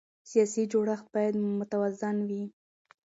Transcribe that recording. سیاسي جوړښت باید متوازن وي